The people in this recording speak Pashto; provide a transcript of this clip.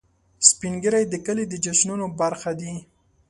سپین ږیری د کلي د جشنونو برخه دي